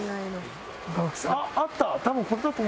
あっあった。